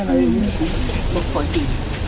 ไม่ค่อยดี